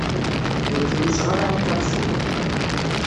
Ur ttluseɣ ara akalsun.